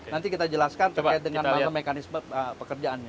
nanti kita jelaskan pakai dengan mana mekanisme pekerjaannya